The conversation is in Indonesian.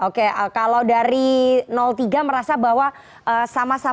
oke kalau dari tiga merasa bahwa sama sama